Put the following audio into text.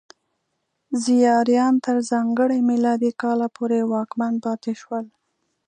زیاریان تر ځانګړي میلادي کاله پورې واکمن پاتې شول.